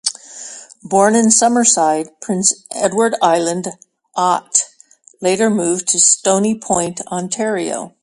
Born in Summerside, Prince Edward Island, Ott later moved to Stoney Point, Ontario.